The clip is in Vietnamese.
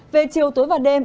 về chiều tối và đêm